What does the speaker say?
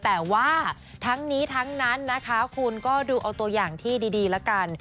แต่ว่าทั้งนี้ทั้งนั้นนะคะคุณก็ดูเอาตัวอย่างที่ดีแล้วกัน